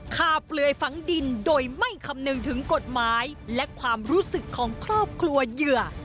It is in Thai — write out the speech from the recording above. เปลือยฝังดินโดยไม่คำนึงถึงกฎหมายและความรู้สึกของครอบครัวเหยื่อ